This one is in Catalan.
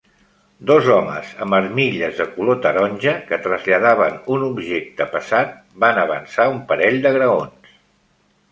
Dos homes amb armilles de color taronja que traslladaven un objecte pesat van avançar un parell de graons.